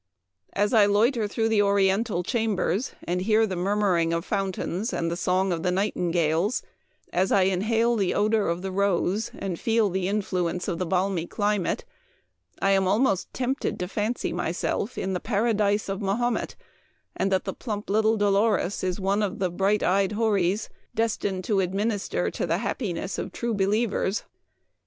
As I loiter through the oriental chambers, and hear the murmuring of fountains and the song of the nightingales, as I inhale the odor of the rose and feel the influence of the balmy climate, I am almost tempted to fancy myself in the para dise of Mahomet, and that the plump little Dolores * is one of the bright eyed houris, des tined to administer to the happiness of true believers."